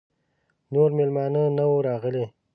نور مېلمانه نه وه راغلي.